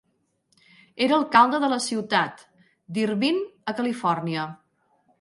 Era alcalde de la ciutat d'Irvine, a Califòrnia.